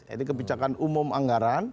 ini kebijakan umum anggaran